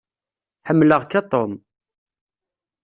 Ḥemmleɣ-k a Tom.